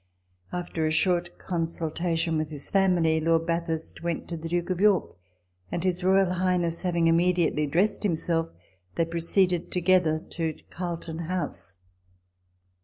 After a short consultation with his family, Lord Bathurst went to the Duke of York ; and his royal highness having immediately dressed himself, they proceeded to gether to Carlton House.